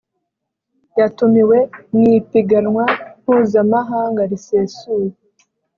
yatumiwe mu ipiganwa mpuzamahanga risesuye